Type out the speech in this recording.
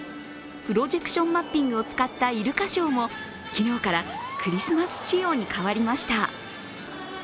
プロジェクションマッピングを使ったイルカショーも昨日からクリスマス仕様に変わりました。